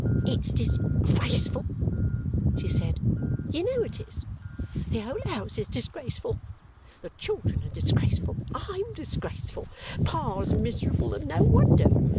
"It's disgraceful," she said. "You know it is. The whole house is disgraceful. The children are disgraceful. I'M disgraceful. Pa's miserable, and no wonder!